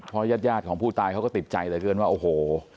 เพราะญาติของผู้ตายเขาก็ติดใจเหลือเกินว่าโอ้โห